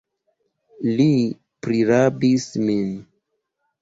Li prirabis min!